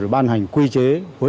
ban hành quy chế